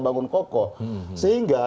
bangun kokoh sehingga